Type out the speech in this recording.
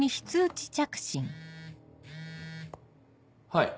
はい。